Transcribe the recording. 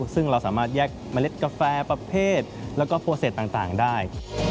ซึ่งเราสามารถแยกเมล็ดกาแฟประเภทแล้วก็โปรเศษต่างได้